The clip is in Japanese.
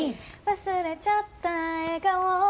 「忘れちゃった笑顔も」